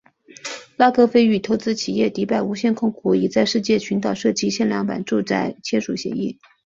拉格斐与投资企业迪拜无限控股以在世界群岛设计限量版住宅签署协议。